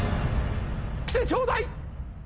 きてちょうだい！